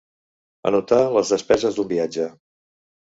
Anotar les despeses d'un viatge.